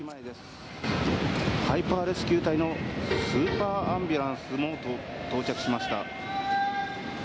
ハイパーレスキュー隊のスーパーアンビュランスも到着しました。